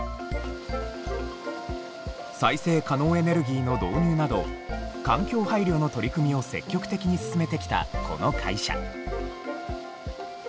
再生可能エネルギーの導入など環境配慮の取り組みを積極的に進めてきたこの会社。